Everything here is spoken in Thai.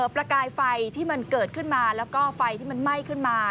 ประกายไฟที่มันเกิดขึ้นมาแล้วก็ไฟที่มันไหม้ขึ้นมา